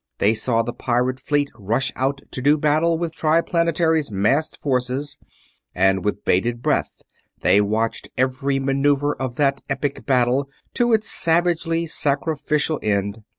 They saw the pirate fleet rush out to do battle with Triplanetary's massed forces, and with bated breath they watched every maneuver of that epic battle to its savagely sacrificial end.